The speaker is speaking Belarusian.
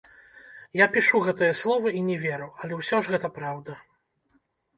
Я пішу гэтыя словы і не веру, але ўсё ж гэта праўда.